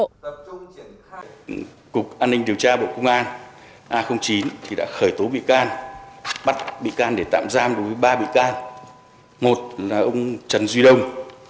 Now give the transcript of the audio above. cơ quan an ninh điều tra bộ công an đã khởi tố bắt tạm giam đối với ông trần duy đông